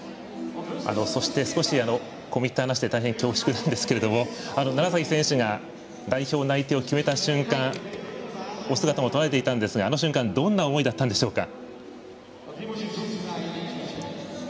そして少し込み入った話で恐縮なんですが楢崎選手が代表内定を決めた瞬間お姿もとらえていたんですがあの瞬間どんな思いだったんでしょうか？